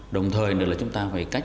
đồng thời là chúng ta phải cách